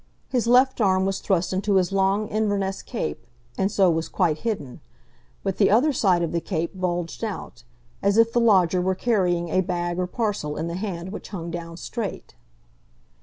His left arm was thrust into his long Inverness cape, and so was quite hidden, but the other side of the cape bulged out, as if the lodger were carrying a bag or parcel in the hand which hung down straight.